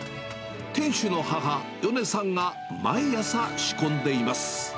店主の母、ヨネさんが毎朝仕込んでいます。